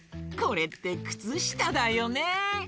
これってくつしただよね。